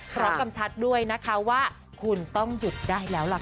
กำชัดด้วยนะคะว่าคุณต้องหยุดได้แล้วล่ะค่ะ